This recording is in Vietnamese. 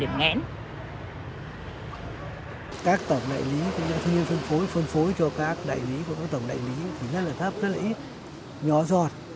các tổng đại lý phân phối cho các tổng đại lý rất là thấp rất là ít nhỏ giọt